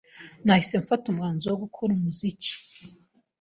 Nahise mfata umwanzuro wo gukora umuziki